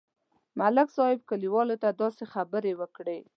ملک صاحب کلیوالو ته داسې خبرې وکړې.